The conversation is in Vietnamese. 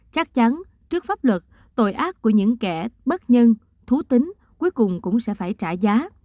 chắc chắn trước pháp luật tội ác của những kẻ bất nhân thú tính cuối cùng cũng sẽ phải trả giá